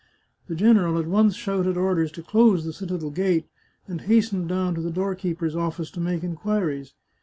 The gen eral at once shouted orders to close the citadel gate, and hastened down to the doorkeeper's office to make inquiries.